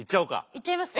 いっちゃいますか。